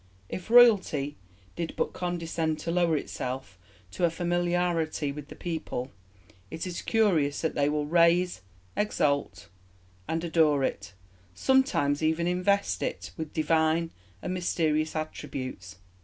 "If Royalty did but condescend to lower itself to a familiarity with the people, it is curious that they will raise, exalt, and adore it, sometimes even invest it with divine and mysterious attributes.